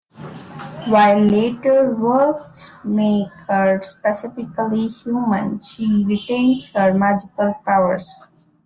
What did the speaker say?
While later works make her specifically human, she retains her magical powers.